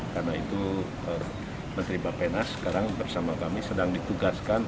karena itu menteri bapak pena sekarang bersama kami sedang ditugaskan